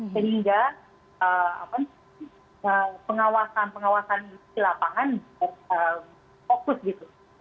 sehingga pengawasan pengawasan di lapangan fokus gitu